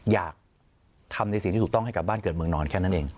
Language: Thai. อยากทำในสิ่งที่ถูกต้องให้กลับบ้านเกิดเมืองนอนแค่นั้นเอง